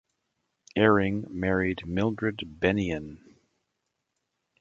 Eyring married Mildred Bennion.